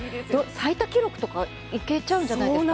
最多記録とかいけちゃうんじゃないですか？